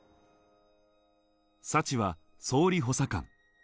サチは総理補佐官。